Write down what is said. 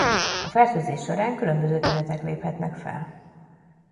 A fertőzés során különböző tünetek léphetnek fel.